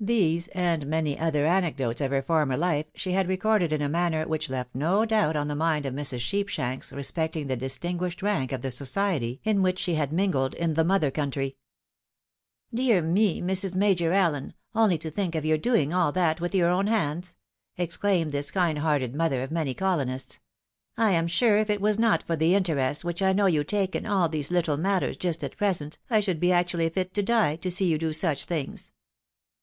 These, and many other anecdotes of her former hfe, she had recorded in a manner which left no doubt on the mind of Mrs. Sheepshanks respecting the distinguished rank of the society in which she had mingled in the mother country. " Dear me, Mrs. Major Allen ! only to think of your doing all that with yoiir own hands !" exclaimed this kind hearted mother of many colonists ; "I am sure if it was not for the interest which I know you take in all these little matters just at present, I should be actually fit to die, to see you do such things!"